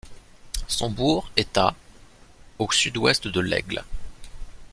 Son bourg est à au sud-ouest de L'Aigle.